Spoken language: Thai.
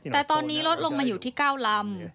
แต่ตอนนี้ลดลงมาอยู่ที่๙ลำ